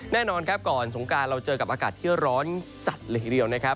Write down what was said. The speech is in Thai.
แน่นอนครับก่อนสงการเราเจอกับอากาศที่ร้อนจัดเลยทีเดียวนะครับ